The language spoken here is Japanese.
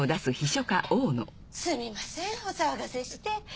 すみませんお騒がせして。